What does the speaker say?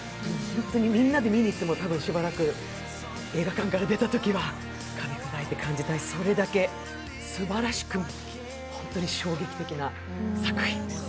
ホントに、みんなで見に行っても、しばらく映画館から出たときは、かみ砕いて感じたい、それだけすばらしく、本当に衝撃的な作品です。